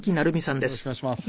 よろしくお願いします。